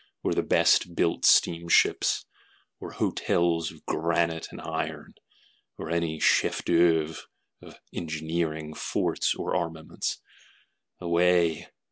or the best built steamships? Or hotels of granite and iron? or any chef d'oeuvres of engineering, forts, armaments? Away!